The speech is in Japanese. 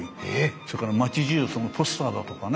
それから町じゅうポスターだとかね